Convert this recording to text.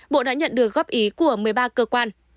bộ đã nhận được góp ý của một mươi ba cơ quan